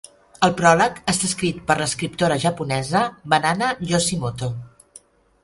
El pròleg està escrit per l'escriptora japonesa Banana Yoshimoto.